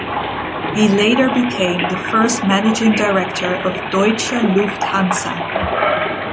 He later became the first managing director of Deutsche Luft Hansa.